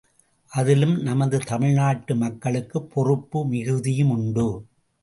அதிலும் நமது தமிழ்நாட்டு மக்களுக்குப் பொறுப்பு மிகுதியும் உண்டு.